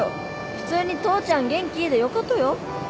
普通に「父ちゃん元気？」でよかとよ。